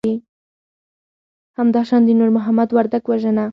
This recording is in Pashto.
همدا شان د نور محمد وردک وژنه